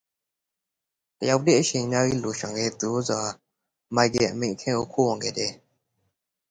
Wanting more time alone they sneak off to Michael's mother's cabin.